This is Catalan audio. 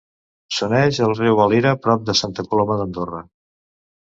S'uneix al riu Valira prop de Santa Coloma d'Andorra.